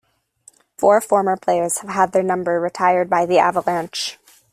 Four former players have had their number retired by the Avalanche.